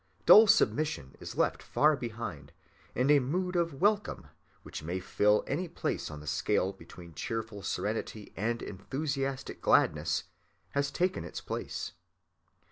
Dull submission is left far behind, and a mood of welcome, which may fill any place on the scale between cheerful serenity and enthusiastic gladness, has taken its place.